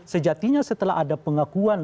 sejatinya setelah ada pengakuan